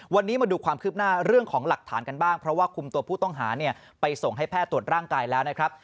วันนี้มาดูความคืบหน้าเรื่องของหลักฐานกันบ้างเพราะว่าคุมตัวผู้ต้องหาเนี่ยไปส่งให้แพทย์ตรวจร่างกายแล้วนะครับ